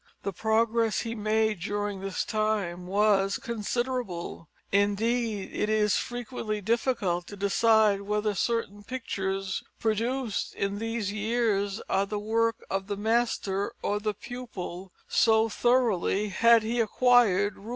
The progress he made during this time was considerable; indeed, it is frequently difficult to decide whether certain pictures produced in these years are the work of the master or the pupil, so thoroughly had he acquired Rubens' technique.